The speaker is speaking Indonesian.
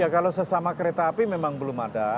ya kalau sesama kereta api memang belum ada